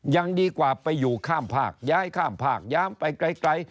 ยังดีกว่าไปอยู่ข้ามภาคย้ายข้ามภาคยามไปไกล